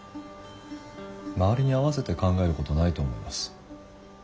周りに合わせて考えることないと思います。